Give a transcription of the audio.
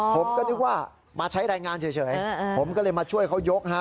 ผมก็นึกว่ามาใช้รายงานเฉยผมก็เลยมาช่วยเขายกฮะ